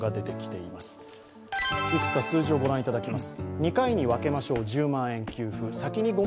いくつか数字をご覧いただきます。